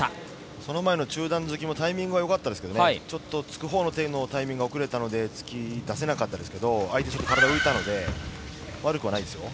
その前の中段突きもタイミング良かったんですけど、突くタイミングが遅れたので突き出せなかったんですけれど、相手の体が一瞬浮いたので悪くはないですよ。